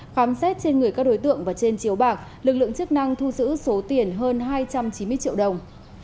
khám xét trên người các đối tượng và trên chiếu bạc lực lượng chức năng thu giữ số tiền hơn hai trăm chín mươi triệu đồng